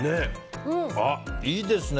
いいですね